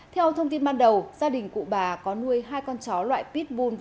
theo thông tin ban đầu gia đình cụ bà có nuôi hai con chó loại pitul